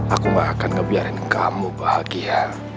aku gak akan ngebiarin kamu bahagia